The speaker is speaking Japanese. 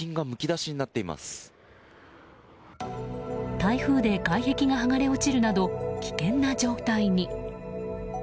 台風で外壁が剥がれ落ちるなど危険な状態に。